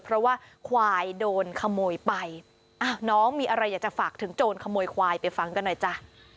เพราะว่าควายโดนขโมยไปอ้าวน้องมีอะไรอยากจะฝากถึงโจรขโมยควายไปฟังกันหน่อยจ้ะ